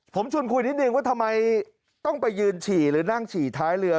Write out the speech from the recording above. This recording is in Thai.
ผมชวนคุยนิดนึงว่าทำไมต้องไปยืนฉี่หรือนั่งฉี่ท้ายเรือ